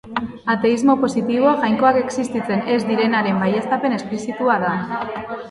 Ateismo positiboa jainkoak existitzen ez direnaren baieztapen esplizitua da.